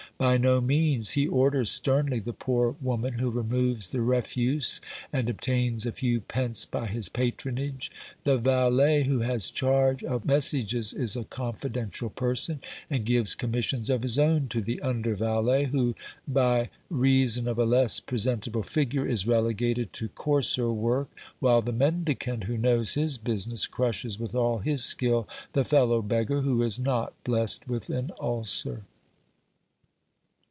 By no means ; he orders sternly the poor woman who removes the refuse and obtains a few pence by his patronage. The valet who has charge of messages is a confidential person, and gives commissions of his own to the under valet who, by reason of a less presentable figure, is relegated to coarser work, while the mendicant who knows his business crushes with all his skill the fellow beggar who is not blessed with an ulcer.